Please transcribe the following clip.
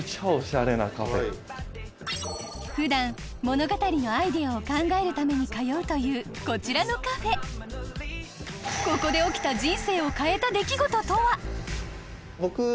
普段物語のアイデアを考えるために通うというこちらのカフェここで起きた僕。